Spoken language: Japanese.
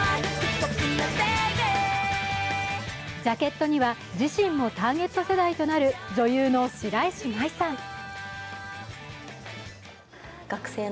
ジャケットには、自身もターゲット世代となる女優の白石麻衣さん。